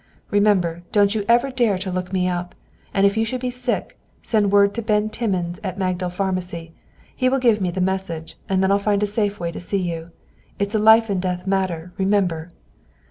Remember, don't you ever dare to look me up. If you should be sick, send word to Ben Timmins at the Magdal Pharmacy. He will give me the message, and then I'll find a safe way to see you. It's a life and death matter, remember."